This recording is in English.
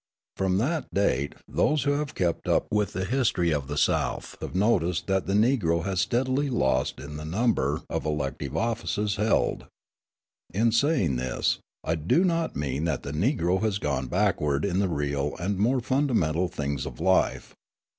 From that date those who have kept up with the history of the South have noticed that the Negro has steadily lost in the number of elective offices held. In saying this, I do not mean that the Negro has gone backward in the real and more fundamental things of life.